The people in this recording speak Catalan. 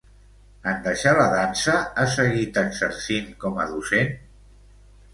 En deixar la dansa, ha seguit exercint com a docent?